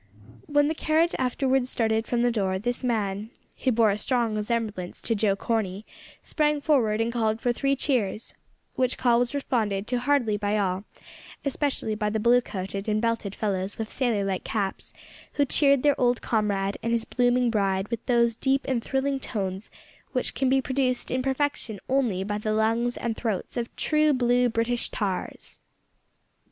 When the carriage afterwards started from the door, this man who bore a strong resemblance to Joe Corney sprang forward and called for three cheers, which call was responded to heartily by all, but especially by the blue coated and belted fellows with sailor like caps, who cheered their old comrade and his blooming bride with those deep and thrilling tones which can be produced in perfection only by the lungs and throats of true blue British tars!